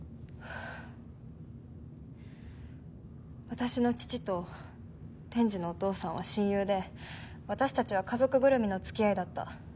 私の父と天智のお父さんは親友で私たちは家族ぐるみの付き合いだった。